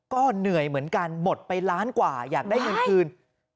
ก็เหนื่อยเหมือนกันหมดไปล้านกว่าอยากได้เงินคืน